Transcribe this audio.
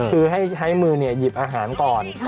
คือให้ใช้มือหยิบอาหารก่อน